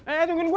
eh tungguin gue